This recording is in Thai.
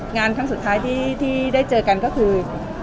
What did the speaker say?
งานครั้งสุดท้ายที่ได้เจอกันก็คือ